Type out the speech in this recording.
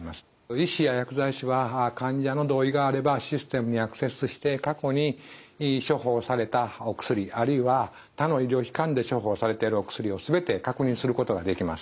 医師や薬剤師は患者の同意があればシステムにアクセスして過去に処方されたお薬あるいは他の医療機関で処方されているお薬をすべて確認することができます。